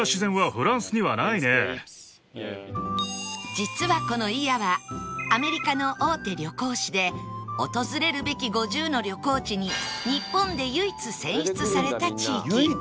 実はこの祖谷はアメリカの大手旅行誌で訪れるべき５０の旅行地に日本で唯一選出された地域